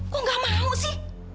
kok gak mau sih